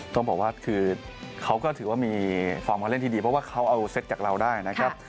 ต้องบอกว่าคือเขาก็ถือว่ามีฟอร์มมาเล่นที่ดีเพราะว่าเขาเอาเซตจากเราได้นะครับ